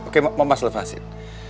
oke mau mas lepasin